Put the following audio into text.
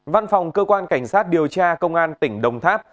văn phòng cơ quan cảnh sát điều tra công an tỉnh đồng tháp